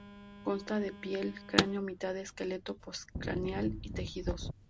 Consta de piel, cráneo, mitad del esqueleto postcraneal y tejidos.